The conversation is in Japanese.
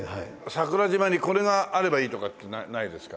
桜島にこれがあればいいとかないですか？